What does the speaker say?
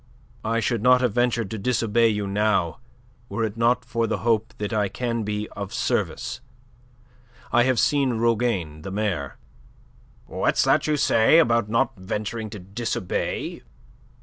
"I should not have ventured to disobey you now were it not for the hope that I can be of service. I have seen Rougane, the mayor..." "What's that you say about not venturing to disobey?"